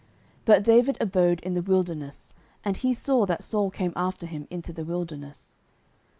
But David abode in the wilderness, and he saw that Saul came after him into the wilderness.